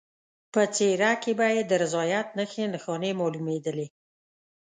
په څېره کې به یې د رضایت نښې نښانې معلومېدلې.